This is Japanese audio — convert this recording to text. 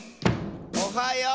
「おはよう！」